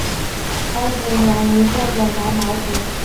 白毛子楝树为桃金娘科子楝树属下的一个种。